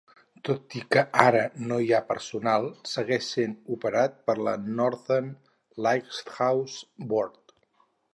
Tot i que ara no hi ha personal, segueix sent operat per la Northern Lighthouse Board.